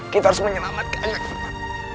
kita harus menyelamatkan anak anak